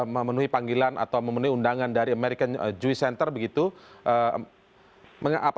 memenuhi panggilan atau memenuhi undangan dari amerika serikat